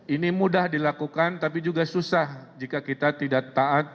ini mudah dilakukan tapi juga susah jika kita tidak taat